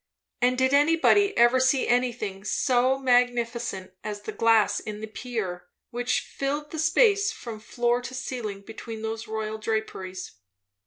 And did anybody ever see anything so magnificent as the glass in the pier, which filled the space from floor to ceiling between those royal draperies?